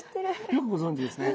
よくご存じですね。